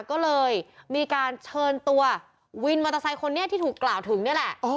ก็เลยมีการเชิญตัววินมอเตอร์ไซค์คนนี้ที่ถูกกล่าวถึงนี่แหละ